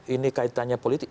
ini kaitannya politik